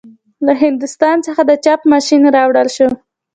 له هندوستان څخه د چاپ ماشین راوړل شو.